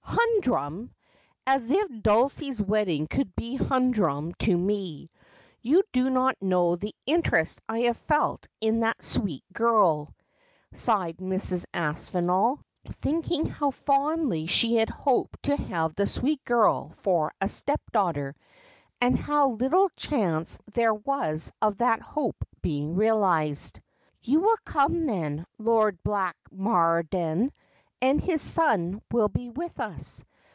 ' Humdrum ! As if Dulcie's wedding could be humdrum to me. You do not know the interest I have felt in that sweet girl,' sighed Mrs. Aspinall, thinking how fondly she had hoped to have the sweet girl for a step daughter, and how little chance there was of that hope being realized. ' You will come, then. Lord Blatchmar^ "i and his son will be with us.